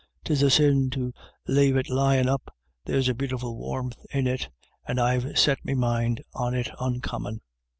'Tis a sin to lave it lyin* up ; there's a beautiful warmth in it And Tve set me mind on it oncommon."